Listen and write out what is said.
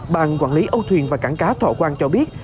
bàn quản lý âu thuyền và cảng cá thọ quang cho biết